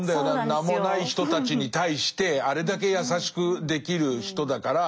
名もない人たちに対してあれだけ優しくできる人だから。